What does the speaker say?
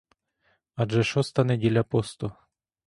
Адже шоста неділя посту!